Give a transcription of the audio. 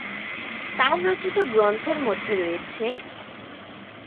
তার রচিত গ্রন্থের মধ্যে রয়েছেঃ